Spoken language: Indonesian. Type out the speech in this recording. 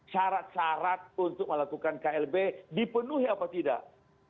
syarat syarat untuk melakukan klb dipenuhi apa tidak